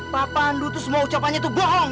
pak pandu tuh semua ucapannya tuh bohong